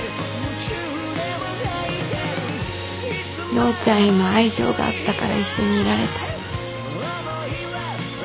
陽ちゃんへの愛情があったから一緒にいられた。